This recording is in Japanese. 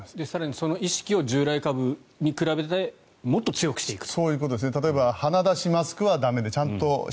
その意識を従来株に比べてもっと強くしていくと。